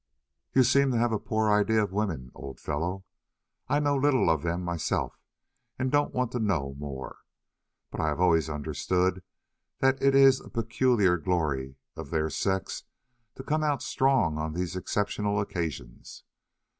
"You seem to have a poor idea of women, old fellow. I know little of them myself and don't want to know more. But I have always understood that it is the peculiar glory of their sex to come out strong on these exceptional occasions.